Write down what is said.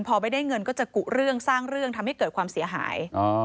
พอไม่ได้เงินก็จะกุเรื่องสร้างเรื่องทำให้เกิดความเสียหาย